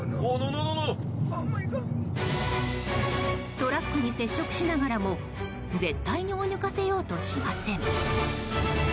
トラックに接触しながらも絶対に追い抜かせようとしません。